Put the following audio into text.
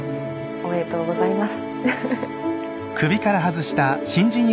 おめでとうございます。